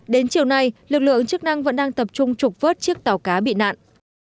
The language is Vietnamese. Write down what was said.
đến chiều nay lực lượng chức năng vẫn đang tập trung trục vớt chiếc tàu cá bị nạn